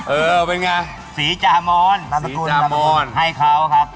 เออเป็นไงสีจามอนให้เขาครับ